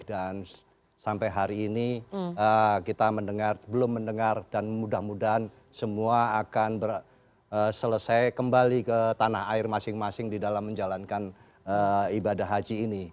dan sampai hari ini kita mendengar belum mendengar dan mudah mudahan semua akan selesai kembali ke tanah air masing masing di dalam menjalankan ibadah haji ini